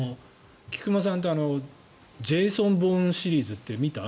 菊間さんって「ジェイソン・ボーン」シリーズって見た？